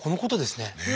ねえ。